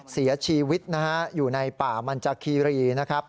เสียชีวิตอยู่ในป่ามันจักรีนะครับ